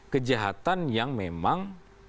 kejahatan yang memang